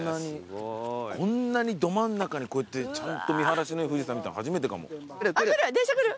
こんなにど真ん中にちゃんと見晴らしのいい富士山見たの初めてかも。